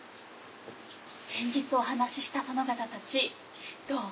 先日お話しした殿方たちどう？